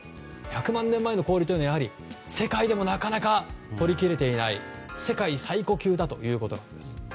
１００万年前の氷というのは世界でもなかなか掘り切れていない世界最古級ということなんです。